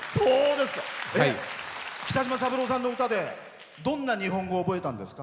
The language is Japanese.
北島三郎さんの歌でどんな日本語を覚えたんですか？